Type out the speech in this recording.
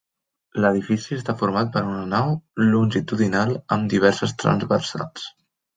L'edifici està format per una nau longitudinal amb diverses transversals.